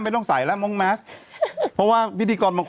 ไม่ต้องหน่อยนะ